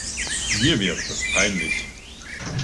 Mir wäre das peinlich.